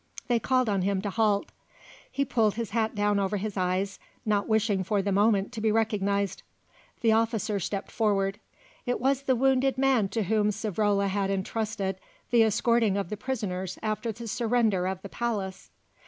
They called on him to halt. He pulled his hat down over his eyes, not wishing for the moment to be recognised. The officer stepped forward. It was the wounded man to whom Savrola had entrusted the escorting of the prisoners after the surrender of the palace.